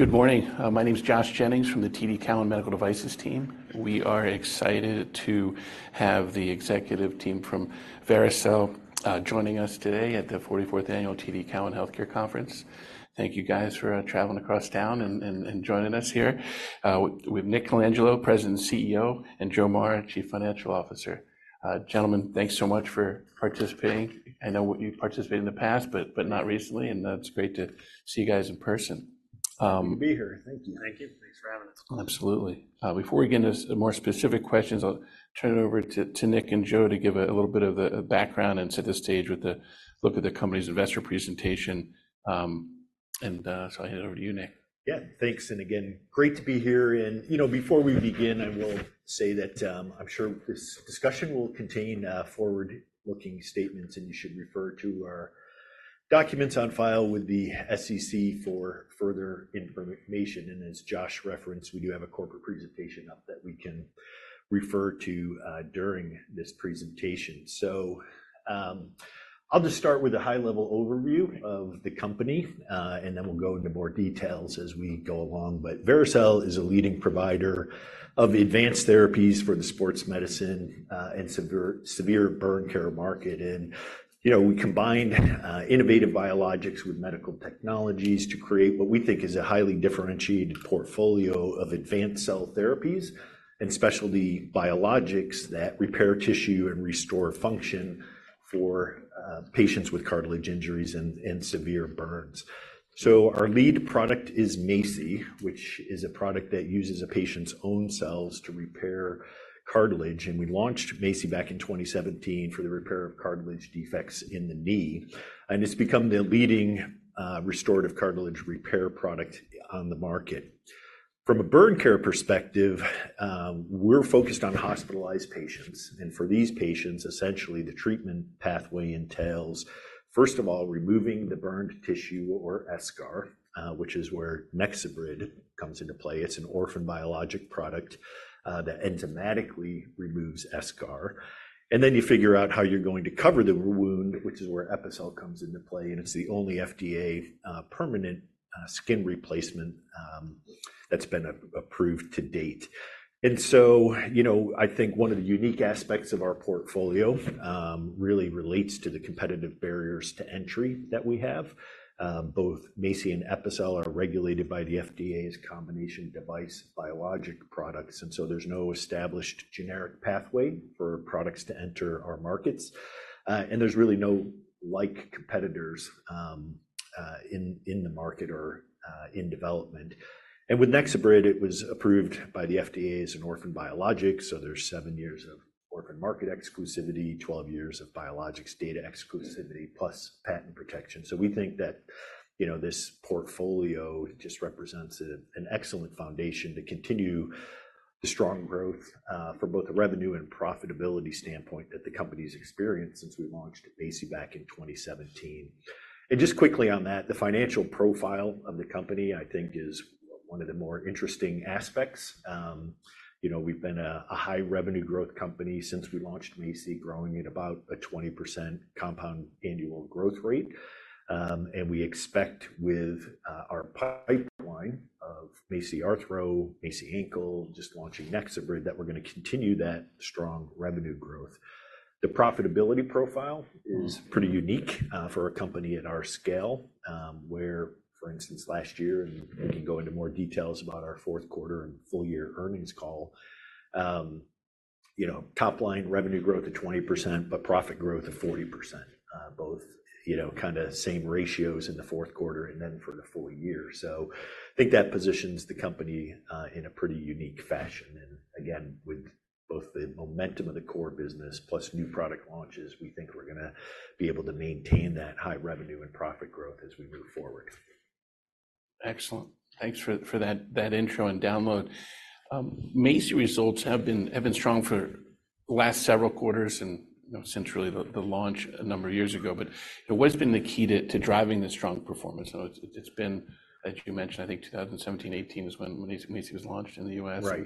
Good morning. My name is Josh Jennings from the TD Cowen Medical Devices team. We are excited to have the executive team from Vericel joining us today at the forty-fourth Annual TD Cowen Healthcare Conference. Thank you guys for traveling across town and joining us here. With Nick Colangelo, President and CEO, and Joe Maher, Chief Financial Officer. Gentlemen, thanks so much for participating. I know you've participated in the past, but not recently, and it's great to see you guys in person. Good to be here. Thank you. Thank you. Thanks for having us. Absolutely. Before we get into the more specific questions, I'll turn it over to Nick and Joe to give a little bit of a background and set the stage with a look at the company's investor presentation. And so I hand over to you, Nick. Yeah, thanks. And again, great to be here. And, you know, before we begin, I will say that I'm sure this discussion will contain forward-looking statements, and you should refer to our documents on file with the SEC for further information. And as Josh referenced, we do have a corporate presentation up that we can refer to during this presentation. So, I'll just start with a high-level overview of the company, and then we'll go into more details as we go along. But Vericel is a leading provider of advanced therapies for the sports medicine and severe burn care market. And, you know, we combined innovative biologics with medical technologies to create what we think is a highly differentiated portfolio of advanced cell therapies and specialty biologics that repair tissue and restore function for patients with cartilage injuries and, and severe burns. So our lead product is MACI, which is a product that uses a patient's own cells to repair cartilage, and we launched MACI back in 2017 for the repair of cartilage defects in the knee, and it's become the leading restorative cartilage repair product on the market. From a burn care perspective, we're focused on hospitalized patients, and for these patients, essentially, the treatment pathway entails, first of all, removing the burned tissue or eschar, which is where NexoBrid comes into play. It's an orphan biologic product that enzymatically removes eschar. And then you figure out how you're going to cover the wound, which is where Epicel comes into play, and it's the only FDA permanent skin replacement that's been approved to date. And so, you know, I think one of the unique aspects of our portfolio really relates to the competitive barriers to entry that we have. Both MACI and Epicel are regulated by the FDA's combination device biologic products, and so there's no established generic pathway for products to enter our markets. And there's really no like competitors in the market or in development. And with NexoBrid, it was approved by the FDA as an orphan biologic, so there's seven years of orphan market exclusivity, 12 years of biologics data exclusivity, plus patent protection. So we think that, you know, this portfolio just represents a, an excellent foundation to continue the strong growth from both the revenue and profitability standpoint that the company's experienced since we launched MACI back in 2017. Just quickly on that, the financial profile of the company, I think, is one of the more interesting aspects. You know, we've been a, a high revenue growth company since we launched MACI, growing at about a 20% compound annual growth rate. And we expect with, our pipeline of MACI Arthro, MACI Ankle, just launching NexoBrid, that we're going to continue that strong revenue growth. The profitability profile is pretty unique for a company at our scale, where, for instance, last year, and we can go into more details about our fourth quarter and full year earnings call, you know, top-line revenue growth of 20%, but profit growth of 40%, both, you know, kinda same ratios in the fourth quarter and then for the full year. So I think that positions the company in a pretty unique fashion. And again, with both the momentum of the core business plus new product launches, we think we're going to be able to maintain that high revenue and profit growth as we move forward. Excellent. Thanks for that intro and download. MACI results have been strong for the last several quarters and, you know, since really the launch a number of years ago. But what has been the key to driving the strong performance? So it's been, as you mentioned, I think 2017, 18 was when MACI was launched in the US. Right.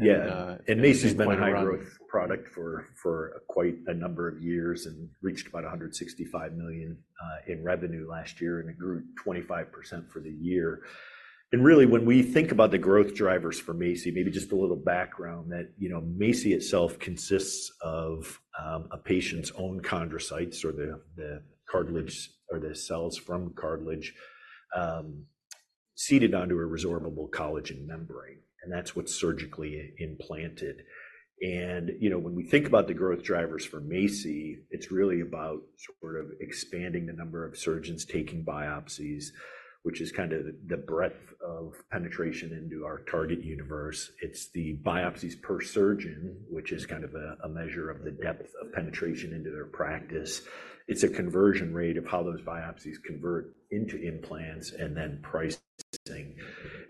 Yeah. And, uh, And MACI's been a high growth product for quite a number of years and reached about $165 million in revenue last year, and it grew 25% for the year. And really, when we think about the growth drivers for MACI, maybe just a little background that, you know, MACI itself consists of a patient's own chondrocytes or the cartilage or the cells from cartilage seeded onto a resorbable collagen membrane, and that's what's surgically implanted. And, you know, when we think about the growth drivers for MACI, it's really about sort of expanding the number of surgeons taking biopsies, which is kind of the breadth of penetration into our target universe. It's the biopsies per surgeon, which is kind of a measure of the depth of penetration into their practice. It's a conversion rate of how those biopsies convert into implants and then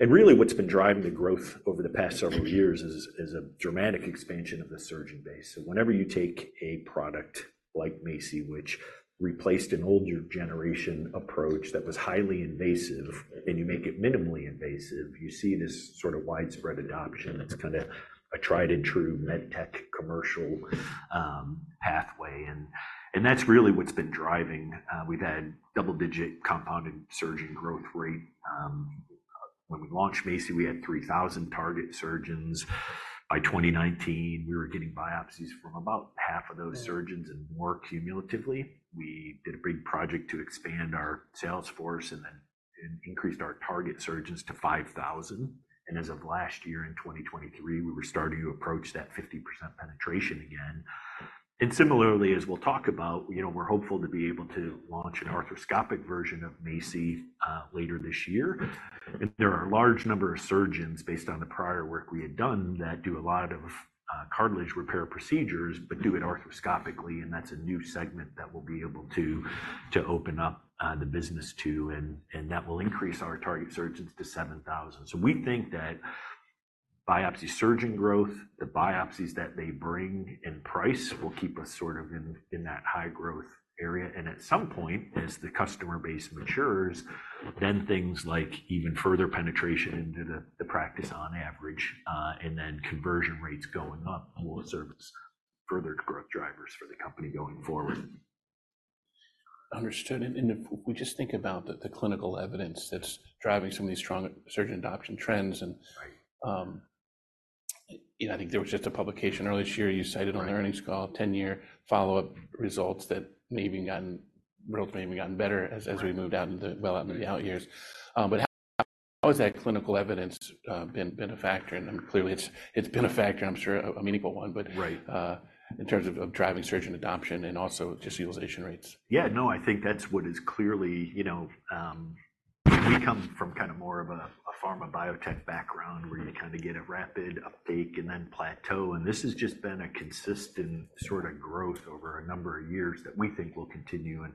pricing. Really, what's been driving the growth over the past several years is a dramatic expansion of the surgeon base. So whenever you take a product like MACI, which replaced an older generation approach that was highly invasive, and you make it minimally invasive, you see this sort of widespread adoption. It's kinda a tried-and-true med tech commercial pathway, and that's really what's been driving. We've had double-digit compounded surgeon growth rate. When we launched MACI, we had 3,000 target surgeons. By 2019, we were getting biopsies from about half of those surgeons and more cumulatively. We did a big project to expand our sales force and then increased our target surgeons to 5,000, and as of last year, in 2023, we were starting to approach that 50% penetration again. And similarly, as we'll talk about, you know, we're hopeful to be able to launch an arthroscopic version of MACI later this year. There are a large number of surgeons, based on the prior work we had done, that do a lot of cartilage repair procedures, but do it arthroscopically, and that's a new segment that we'll be able to open up the business to, and that will increase our target surgeons to 7,000. So we think that biopsy surgeon growth, the biopsies that they bring in price will keep us sort of in that high growth area. At some point, as the customer base matures, then things like even further penetration into the, the practice on average, and then conversion rates going up will serve as further growth drivers for the company going forward. Understood. And if we just think about the clinical evidence that's driving some of these strong surgeon adoption trends and- Right. You know, I think there was just a publication earlier this year you cited on the- Right earnings call, 10-year follow-up results that really may have gotten better as, Right... as we moved out into the, well, out into the out years. But how has that clinical evidence been a factor? And clearly, it's been a factor, I'm sure, a meaningful one, but- Right... in terms of driving surgeon adoption and also just utilization rates. Yeah, no, I think that's what is clearly, you know, we come from kind of more of a pharma biotech background where- Mm-hmm... you kind of get a rapid uptake and then plateau, and this has just been a consistent sort of growth over a number of years that we think will continue, and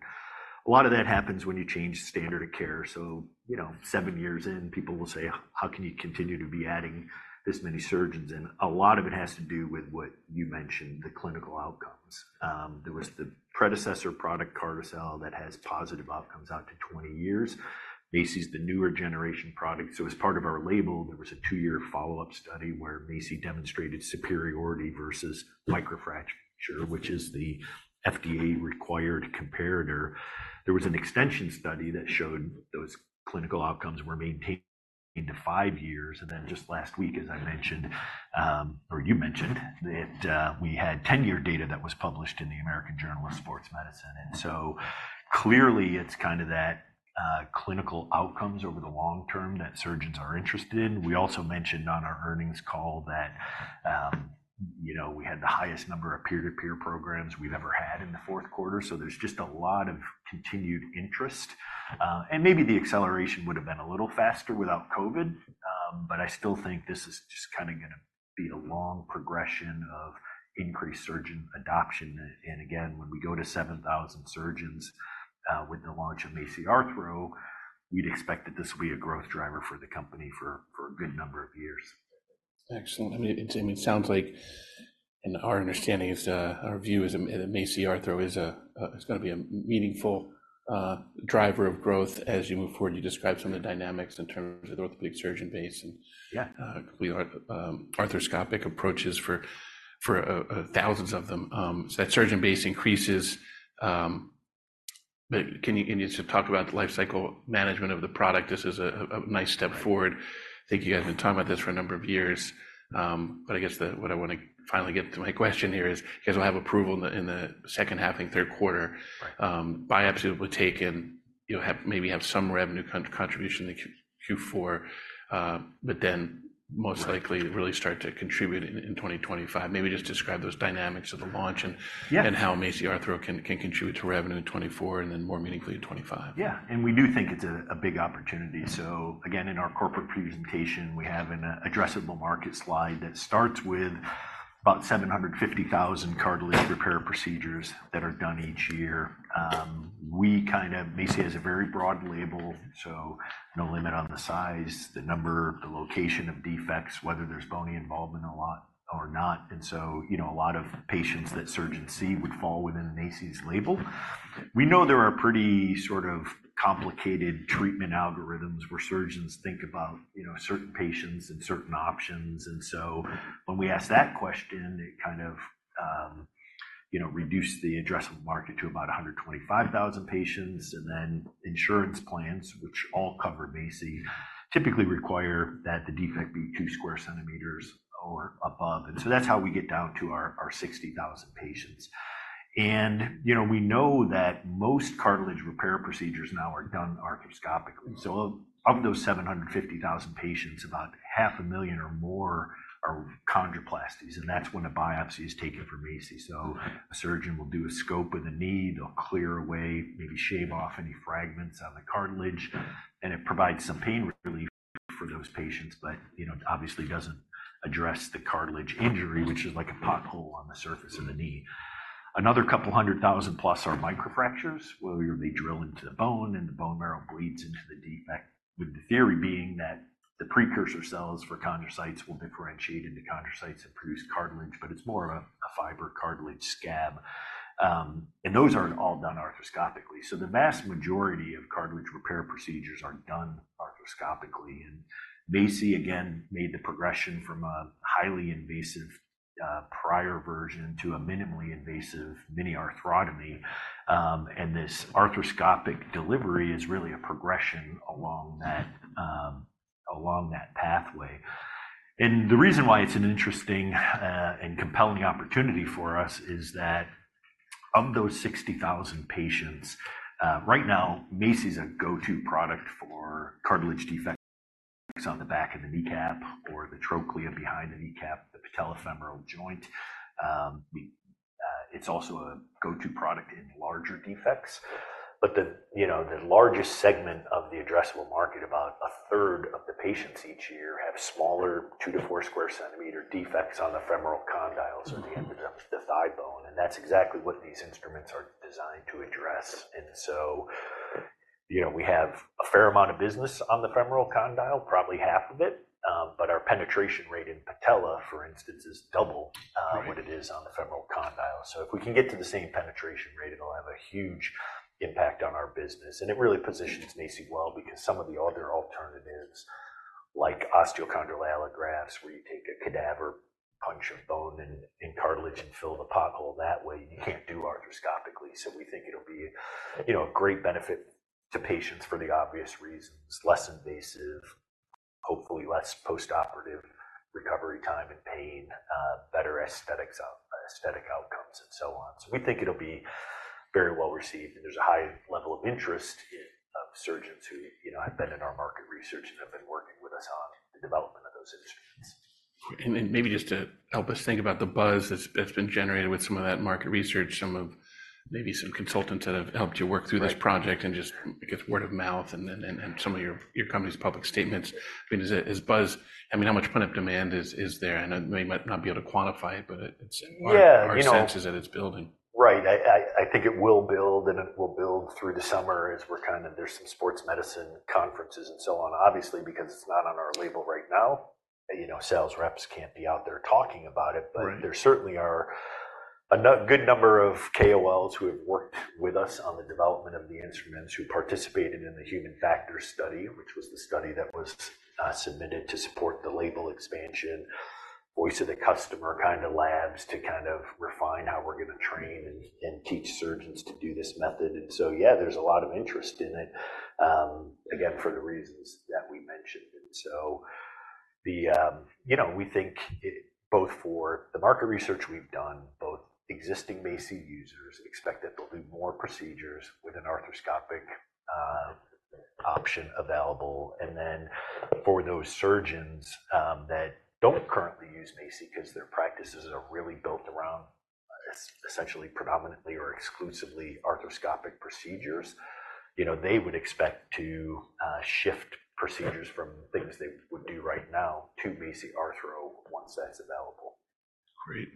a lot of that happens when you change standard of care. So, you know, 7 years in, people will say: "How can you continue to be adding this many surgeons?" And a lot of it has to do with what you mentioned, the clinical outcomes. There was the predecessor product, Carticel, that has positive outcomes out to 20 years. MACI's the newer generation product, so as part of our label, there was a 2-year follow-up study where MACI demonstrated superiority versus icrofracture, which is the FDA-required comparator. There was an extension study that showed those clinical outcomes were maintained into 5 years, and then just last week, as I mentioned, or you mentioned, that we had 10-year data that was published in the American Journal of Sports Medicine. And so clearly, it's kind of that clinical outcomes over the long term that surgeons are interested in. We also mentioned on our earnings call that, you know, we had the highest number of peer-to-peer programs we've ever had in the fourth quarter, so there's just a lot of continued interest. And maybe the acceleration would have been a little faster without COVID, but I still think this is just kinda gonna be a long progression of increased surgeon adoption. And again, when we go to 7,000 surgeons with the launch of MACI Arthro, we'd expect that this will be a growth driver for the company for a good number of years. Excellent. I mean, it sounds like, and our understanding is, our view is that MACI Arthro is gonna be a meaningful driver of growth as you move forward. You described some of the dynamics in terms of the orthopedic surgeon base, and- Yeah... we are arthroscopic approaches for thousands of them. So that surgeon base increases, but can you just talk about the life cycle management of the product? This is a nice step forward. Right. I think you guys have been talking about this for a number of years. But I guess what I want to finally get to my question here is, you guys will have approval in the second half and third quarter. Right. Biopsy will be taken, you'll have, maybe have some revenue contribution in Q4, but then most likely- Right... really start to contribute in 2025. Maybe just describe those dynamics of the launch and- Yeah... and how MACI Arthro can contribute to revenue in 2024 and then more meaningfully in 2025. Yeah, and we do think it's a big opportunity. So again, in our corporate presentation, we have an addressable market slide that starts with about 750,000 cartilage repair procedures that are done each year. We kind of, MACI has a very broad label, so no limit on the size, the number, the location of defects, whether there's bony involvement a lot or not. And so, you know, a lot of patients that surgeons see would fall within MACI's label. We know there are pretty sort of complicated treatment algorithms, where surgeons think about, you know, certain patients and certain options. And so when we ask that question, it kind of, you know, reduce the addressable market to about 125,000 patients. Then insurance plans, which all cover MACI, typically require that the defect be 2 square centimeters or above, and so that's how we get down to our 60,000 patients. You know, we know that most cartilage repair procedures now are done arthroscopically. Mm-hmm. Of those 750,000 patients, about 500,000 or more are chondroplasties, and that's when a biopsy is taken from MACI. Mm-hmm. So a surgeon will do a scope of the knee. They'll clear away, maybe shave off any fragments on the cartilage, and it provides some pain relief for those patients, but, you know, obviously doesn't address the cartilage injury, which is like a pothole on the surface of the knee. Another 200,000 plus are microfractures, where they drill into the bone and the bone marrow bleeds into the defect, with the theory being that the precursor cells for chondrocytes will differentiate into chondrocytes and produce cartilage, but it's more of a fiber cartilage scab. And those are all done arthroscopically. So the vast majority of cartilage repair procedures are done arthroscopically, and MACI again made the progression from a highly invasive prior version to a minimally invasive mini arthrotomy. And this arthroscopic delivery is really a progression along that pathway. And the reason why it's an interesting and compelling opportunity for us is that of those 60,000 patients, right now, MACI is a go-to product for cartilage defects on the back of the kneecap or the trochlea behind the kneecap, the patellofemoral joint. It's also a go-to product in larger defects. But, you know, the largest segment of the addressable market, about a third of the patients each year, have smaller 2-4 square centimeter defects on the femoral condyles or the end of the thigh bone, and that's exactly what these instruments are designed to address. And so, you know, we have a fair amount of business on the femoral condyle, probably half of it, but our penetration rate in patella, for instance, is double what it is on the femoral condyle. So if we can get to the same penetration rate, it'll have a huge impact on our business. And it really positions MACI well because some of the other alternatives, like osteochondral allografts, where you take a cadaver, punch a bone and cartilage, and fill the pothole, that way you can't do arthroscopically. So we think it'll be, you know, a great benefit to patients for the obvious reasons: less invasive, hopefully less postoperative recovery time and pain, better aesthetic outcomes, and so on. So we think it'll be very well received, and there's a high level of interest in surgeons who, you know, have been in our market research and have been working with us on the development of those instruments. And then maybe just to help us think about the buzz that's been generated with some of that market research, some of, maybe some consultants that have helped you work through this project- Right. -and just, I guess, word of mouth and then some of your company's public statements. I mean, is it buzz-- I mean, how much pent-up demand is there? And you might not be able to quantify it, but it's- Yeah, you know- Our sense is that it's building. Right. I think it will build, and it will build through the summer as we're kind of, there's some sports medicine conferences and so on. Obviously, because it's not on our label right now, you know, sales reps can't be out there talking about it. Right. But there certainly are a good number of KOLs who have worked with us on the development of the instruments, who participated in the human factors study, which was the study that was submitted to support the label expansion. Voice of the customer kind of labs to kind of refine how we're gonna train and teach surgeons to do this method. And so, yeah, there's a lot of interest in it, again, for the reasons that we mentioned. And so, you know, we think it, both for the market research we've done, both existing MACI users expect that they'll do more procedures with an arthroscopic option available. And then for those surgeons that don't currently use MACI 'cause their practices are really built around essentially predominantly or exclusively arthroscopic procedures, you know, they would expect to shift procedures from things they would do right now to MACI Arthro, once that's available. Great.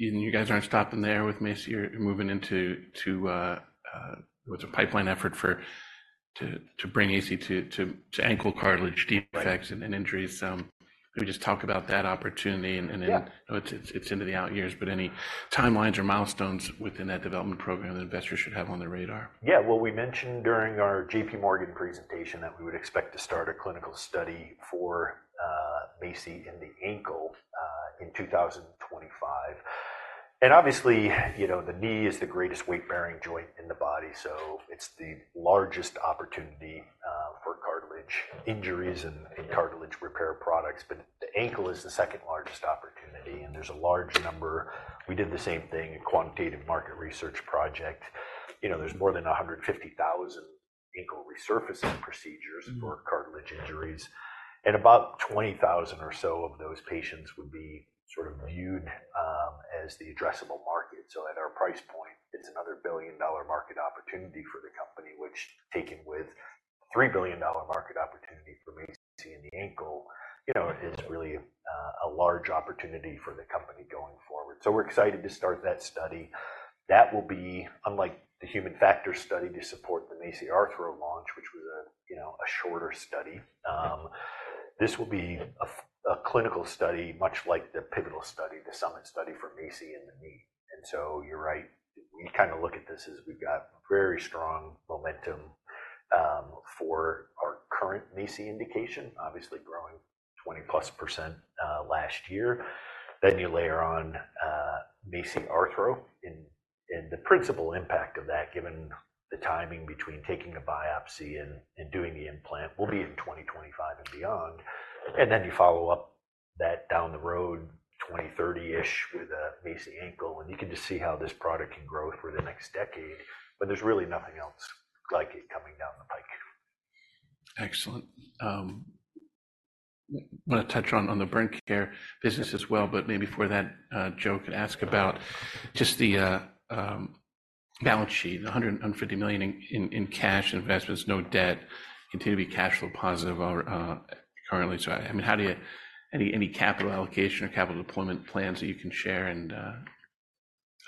And you guys aren't stopping there with MACI. You're moving into what's a pipeline effort to bring MACI to ankle cartilage defects- Right... and injuries. Can you just talk about that opportunity, and then- Yeah... I know it's, it's into the out years, but any timelines or milestones within that development program that investors should have on their radar? Yeah. Well, we mentioned during our J.P. Morgan presentation that we would expect to start a clinical study for MACI in the ankle in 2025. And obviously, you know, the knee is the greatest weight-bearing joint in the body, so it's the largest opportunity for cartilage injuries and cartilage repair products. But the ankle is the second-largest opportunity, and there's a large number. We did the same thing, a quantitative market research project. You know, there's more than 150,000 ankle resurfacing procedures for cartilage injuries, and about 20,000 or so of those patients would be sort of viewed as the addressable market. So at our price point, it's another billion-dollar market opportunity for the company, which, taken with $3 billion market opportunity for MACI in the ankle, you know, is really a large opportunity for the company going forward. So we're excited to start that study. That will be, unlike the human factors study to support the MACI Arthro launch, which was a, you know, a shorter study, this will be a clinical study, much like the pivotal study, the SUMMIT study for MACI in the knee. And so you're right. We kind of look at this as we've got very strong momentum for our current MACI indication, obviously growing 20%+ last year. Then you layer on MACI Arthro, and the principal impact of that, given the timing between taking a biopsy and doing the implant, will be in 2025 and beyond. Then you follow up that down the road, 2030-ish, with a MACI ankle, and you can just see how this product can grow through the next decade. But there's really nothing else like it coming down the pike. Excellent. Wanna touch on the burn care business as well, but maybe before that, Joe could ask about just the balance sheet, the $150 million in cash and investments, no debt, continue to be cash flow positive, currently. So, I mean, how do you - any capital allocation or capital deployment plans that you can share? And-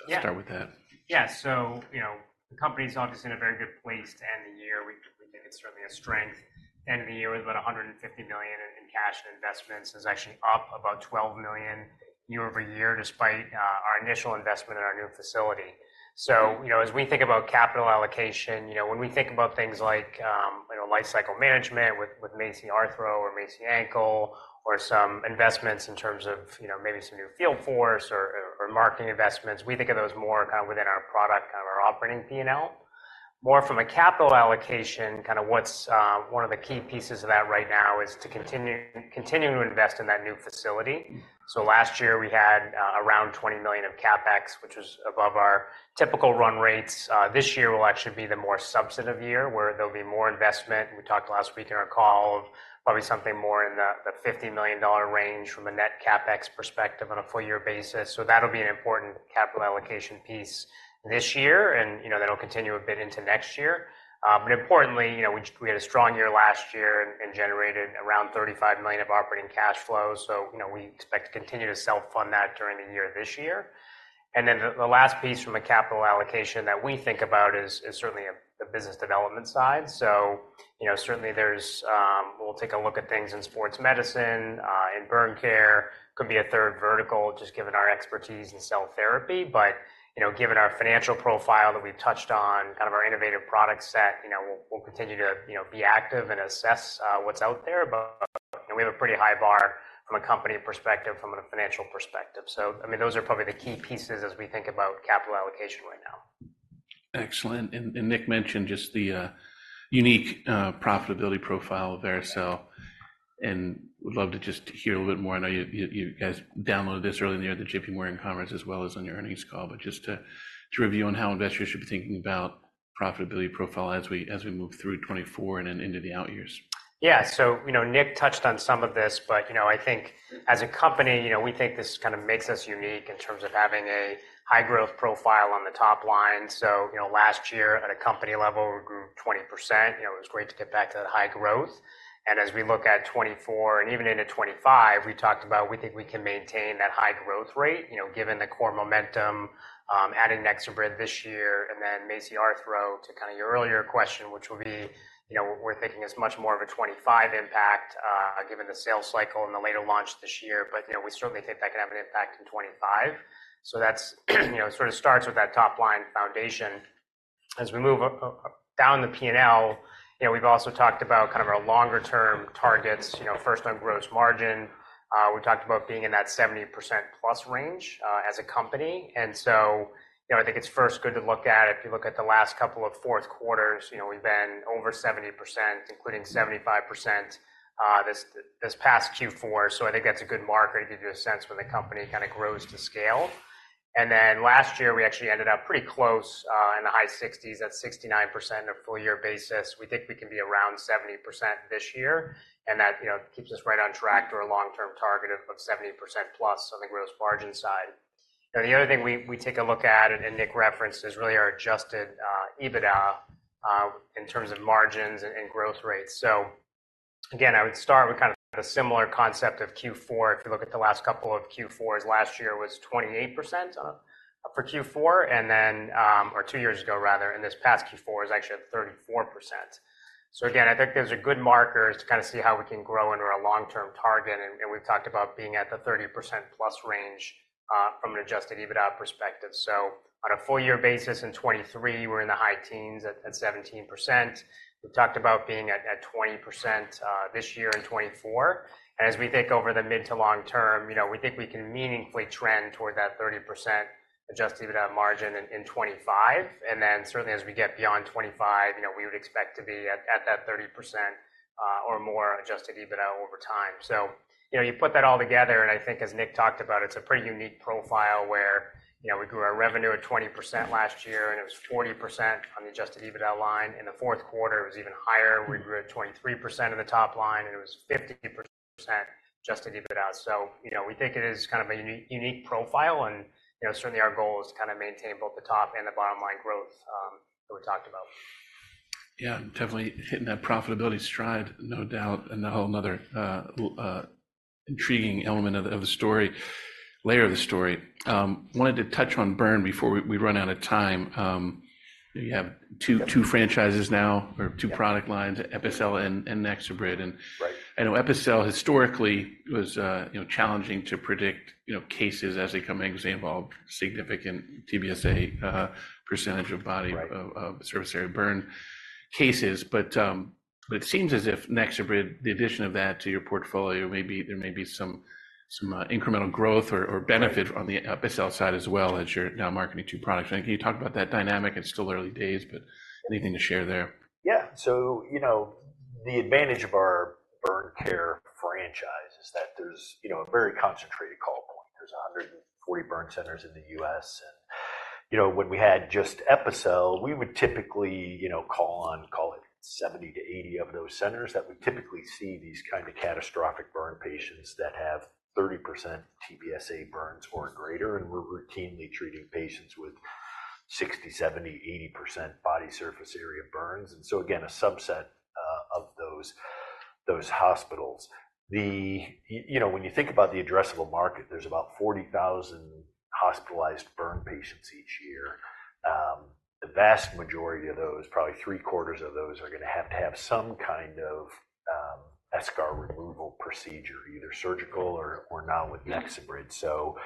Yeah. Start with that. Yeah. So, you know, the company is obviously in a very good place to end the year. I think it's certainly a strength. End of the year with about $150 million in cash and investments is actually up about $12 million year-over-year, despite our initial investment in our new facility. So, you know, as we think about capital allocation, you know, when we think about things like, you know, life cycle management with MACI Arthro or MACI ankle or some investments in terms of, you know, maybe some new field force or marketing investments, we think of those more kind of within our product, kind of our operating P&L. More from a capital allocation, kind of what's one of the key pieces of that right now is to continue to invest in that new facility. So last year, we had around $20 million of CapEx, which was above our typical run rates. This year will actually be the more substantive year, where there'll be more investment. We talked last week in our call of probably something more in the $50 million range from a net CapEx perspective on a full year basis. So that'll be an important capital allocation piece this year, and, you know, that'll continue a bit into next year. But importantly, you know, we had a strong year last year and generated around $35 million of operating cash flows. So, you know, we expect to continue to self-fund that during the year this year. And then the last piece from a capital allocation that we think about is certainly the business development side. So, you know, certainly there's... We'll take a look at things in sports medicine and burn care. Could be a third vertical, just given our expertise in cell therapy. But, you know, given our financial profile that we've touched on, kind of our innovative product set, you know, we'll continue to, you know, be active and assess what's out there. But, and we have a pretty high bar from a company perspective, from a financial perspective. So, I mean, those are probably the key pieces as we think about capital allocation right now. Excellent. And Nick mentioned just the unique profitability profile of Vericel, and would love to just hear a little bit more. I know you guys downloaded this earlier in the year at the J.P. Morgan conference, as well as on your earnings call. But just to review on how investors should be thinking about profitability profile as we move through 2024 and then into the out years. Yeah. So, you know, Nick touched on some of this, but, you know, I think as a company, you know, we think this kind of makes us unique in terms of having a high growth profile on the top line. So, you know, last year, at a company level, we grew 20%. You know, it was great to get back to that high growth. And as we look at 2024 and even into 2025, we talked about we think we can maintain that high growth rate, you know, given the core momentum, adding NexoBrid this year and then MACI Arthro, to kind of your earlier question, which will be, you know, we're thinking is much more of a 2025 impact, given the sales cycle and the later launch this year. But, you know, we certainly think that can have an impact in 2025. So that's, you know, sort of starts with that top-line foundation. As we move up, down the P&L, you know, we've also talked about kind of our longer term targets, you know, first on gross margin. We talked about being in that 70%+ range, as a company. And so, you know, I think it's first good to look at it. If you look at the last couple of fourth quarters, you know, we've been over 70%, including 75%, this past Q4, so I think that's a good marker to give you a sense when the company kind of grows to scale. And then last year, we actually ended up pretty close, in the high 60s, at 69% on a full year basis. We think we can be around 70% this year, and that, you know, keeps us right on track to our long-term target of, of 70%+ on the gross margin side. You know, the other thing we, we take a look at, and, and Nick referenced, is really our adjusted EBITDA in terms of margins and, and growth rates. So again, I would start with kind of a similar concept of Q4. If you look at the last couple of Q4s, last year was 28% for Q4, and then Or two years ago, rather, and this past Q4 is actually at 34%. So again, I think those are good markers to kind of see how we can grow under our long-term target, and, and we've talked about being at the 30%+ range from an adjusted EBITDA perspective. So on a full year basis in 2023, we're in the high teens at 17%. We've talked about being at 20% this year in 2024. And as we think over the mid to long term, you know, we think we can meaningfully trend toward that 30% adjusted EBITDA margin in 2025. And then certainly as we get beyond 2025, you know, we would expect to be at that 30% or more adjusted EBITDA over time. So, you know, you put that all together, and I think as Nick talked about, it's a pretty unique profile where, you know, we grew our revenue at 20% last year, and it was 40% on the adjusted EBITDA line. In the fourth quarter, it was even higher. We grew at 23% in the top line, and it was 50% adjusted EBITDA. So, you know, we think it is kind of a unique profile and, you know, certainly our goal is to kind of maintain both the top and the bottom line growth that we talked about. Yeah, definitely hitting that profitability stride, no doubt, and a whole another intriguing element of the story, layer of the story. Wanted to touch on burn before we run out of time. You have two franchises now or two product lines, Epicel and NexoBrid. Right. I know Epicel historically was, you know, challenging to predict, you know, cases as they come in because they involve significant TBSA, percentage of body- Right... of surface area burn cases. But it seems as if NexoBrid, the addition of that to your portfolio, maybe there may be some incremental growth or benefit on the Epicel side as well, as you're now marketing two products. Can you talk about that dynamic? It's still early days, but anything to share there? Yeah. So, you know, the advantage of our burn care franchise is that there's, you know, a very concentrated call point. There's 140 burn centers in the U.S. And, you know, when we had just Epicel, we would typically, you know, call on, call it 70-80 of those centers that would typically see these kind of catastrophic burn patients that have 30% TBSA burns or greater, and we're routinely treating patients with 60%, 70%, 80% body surface area burns. And so, again, a subset of those, those hospitals. You know, when you think about the addressable market, there's about 40,000-... hospitalized burn patients each year. The vast majority of those, probably three-quarters of those, are gonna have to have some kind of eschar removal procedure, either surgical or, or not with NexoBrid. So,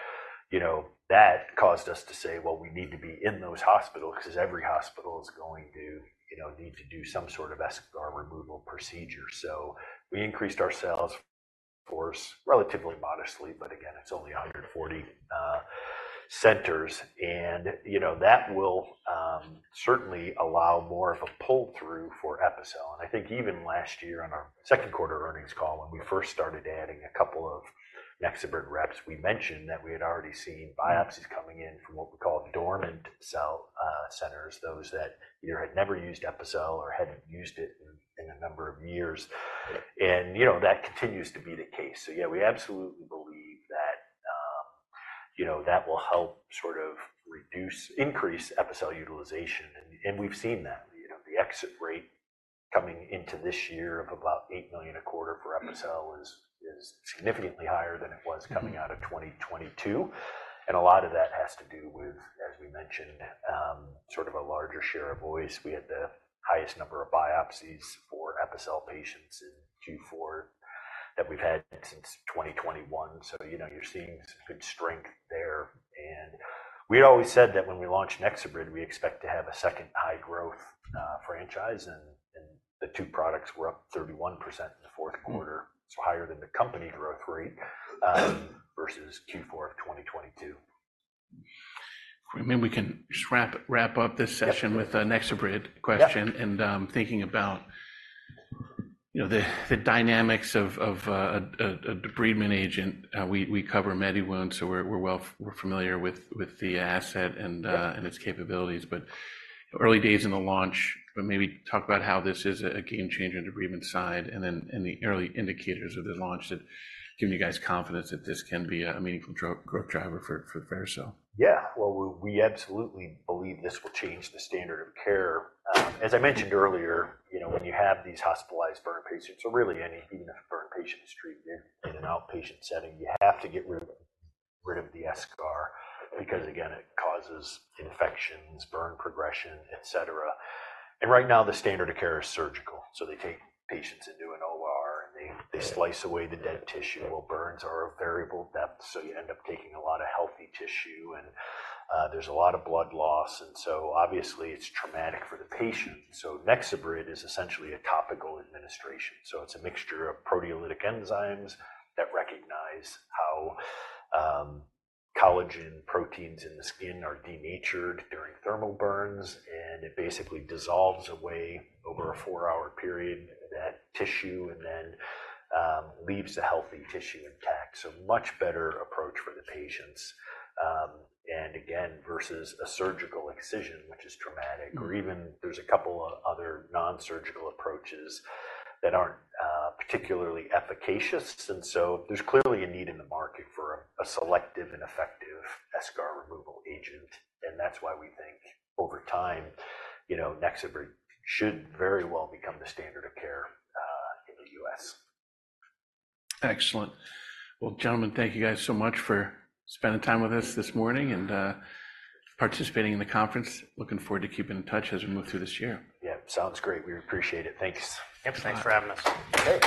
you know, that caused us to say, "Well, we need to be in those hospitals," because every hospital is going to, you know, need to do some sort of eschar removal procedure. So we increased our sales force relatively modestly, but again, it's only 140 centers, and, you know, that will certainly allow more of a pull-through for Epicel. I think even last year on our second quarter earnings call, when we first started adding a couple of NexoBrid reps, we mentioned that we had already seen biopsies coming in from what we call dormant cell centers, those that either had never used Epicel or hadn't used it in a number of years. You know, that continues to be the case. So yeah, we absolutely believe that, you know, that will help sort of increase Epicel utilization, and we've seen that. You know, the exit rate coming into this year of about $8 million a quarter for Epicel- Mm... is significantly higher than it was- Mm Coming out of 2022, and a lot of that has to do with, as we mentioned, sort of a larger share of voice. We had the highest number of biopsies for Epicel patients in Q4 that we've had since 2021. So, you know, you're seeing good strength there. And we'd always said that when we launch NexoBrid, we expect to have a second high-growth franchise, and the two products were up 31% in the fourth quarter. Mm. Higher than the company growth rate, versus Q4 of 2022. Maybe we can just wrap up this session- Yeah... with a NexoBrid question. Yeah. Thinking about, you know, the dynamics of a debridement agent. We cover MediWound, so we're familiar with the asset and its capabilities, but early days in the launch, but maybe talk about how this is a game changer debridement side, and then the early indicators of the launch that give you guys confidence that this can be a meaningful growth driver for Vericel. Yeah. Well, we absolutely believe this will change the standard of care. As I mentioned earlier, you know, when you have these hospitalized burn patients, or really any, even if a burn patient is treated in an outpatient setting, you have to get rid of the eschar- Mm... because, again, it causes infections, burn progression, et cetera. Right now, the standard of care is surgical. They take patients into an OR, and they- Yeah... they slice away the dead tissue. Well, burns are a variable depth, so you end up taking a lot of healthy tissue, and there's a lot of blood loss, and so obviously, it's traumatic for the patient. So NexoBrid is essentially a topical administration. So it's a mixture of proteolytic enzymes that recognize how collagen proteins in the skin are denatured during thermal burns, and it basically dissolves away- Mm - over a four-hour period, that tissue, and then, leaves the healthy tissue intact. So much better approach for the patients. And again, versus a surgical incision, which is traumatic- Mm or even there's a couple of other non-surgical approaches that aren't particularly efficacious. And so there's clearly a need in the market for a selective and effective eschar removal agent, and that's why we think over time, you know, NexoBrid should very well become the standard of care in the U.S. Excellent. Well, gentlemen, thank you guys so much for spending time with us this morning and participating in the conference. Looking forward to keeping in touch as we move through this year. Yeah. Sounds great. We appreciate it. Thanks. Yep. Thanks for having us. Okay.